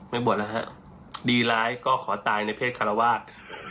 หมดแล้วฮะดีร้ายก็ขอตายในเพศคารวาส